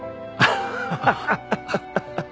ハハハハ！